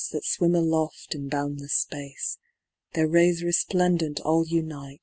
That fwim aloft in boundlefs fpacc^ Their rays refplendent all unite.